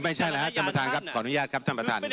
ไม่ใช่แล้วครับท่านประธานครับขออนุญาตครับท่านประธาน